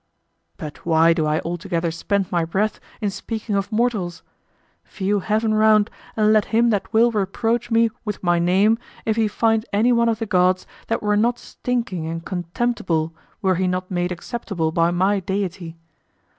But why do I altogether spend my breath in speaking of mortals? View heaven round, and let him that will reproach me with my name if he find any one of the gods that were not stinking and contemptible were he not made acceptable by my deity.